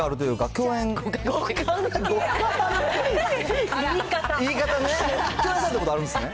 共演したことあるんですね。